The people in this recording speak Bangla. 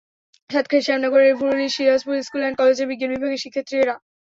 সাতক্ষীরার শ্যামনগরের ভুরুলিয়া সিরাজপুর স্কুল অ্যান্ড কলেজের বিজ্ঞান বিভাগের শিক্ষার্থী এরা।